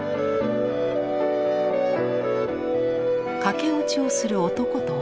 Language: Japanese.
駆け落ちをする男と女。